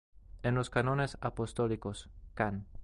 En los cánones apostólicos, "can.